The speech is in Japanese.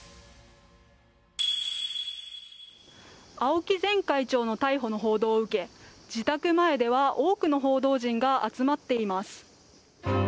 青木前会長の逮捕の報道を受け自宅前では多くの報道陣が集まっています。